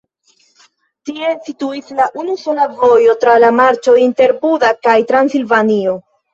Tie situis la unusola vojo tra la marĉo inter Buda kaj Transilvanio.